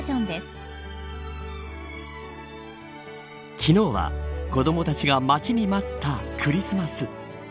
昨日は子どもたちが待ちに待ったクリスマス。